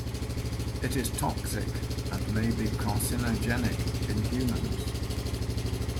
It is toxic and may be carcinogenic in humans.